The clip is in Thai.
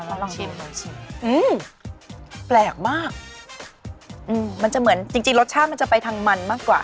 เออลองชิมอื้อแปลกมากมันจะเหมือนจริงรสชาติมันจะไปทางมันมากกว่า